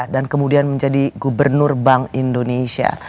dan kemudian menjadi gubernur bank indonesia